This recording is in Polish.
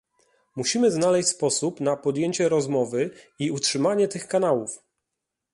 Musimy znaleźć sposób na podjęcie rozmowy i utrzymanie tych kanałów